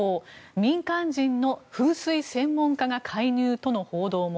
民間人の風水専門家が介入との報道も。